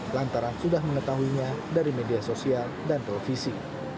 lantaran sudah mengetahuinya dari media sosial dan televisi